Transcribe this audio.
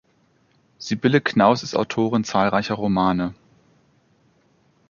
Sibylle Knauss ist Autorin zahlreicher Romane.